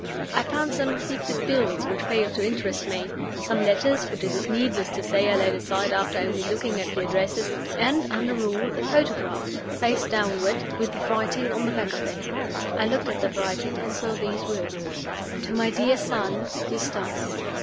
I found some receipted bills, which failed to interest me; some letters, which it is needless to say I laid aside after only looking at the addresses; and, under all, a photograph, face downward, with writing on the back of it. I looked at the writing, and saw these words: "To my dear son, Eustace."